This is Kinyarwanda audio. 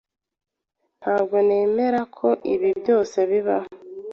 Ntabwo nemera ko ibi byose bibaho